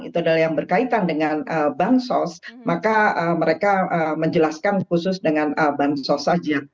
itu adalah yang berkaitan dengan bank sos maka mereka menjelaskan khusus dengan bank sos saja